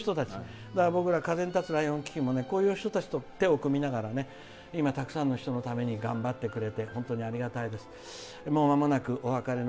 僕ら風に立つライオン基金もこういう人たちと手を組みながら今、たくさんの人のために頑張ってくれて本当にありがたいです。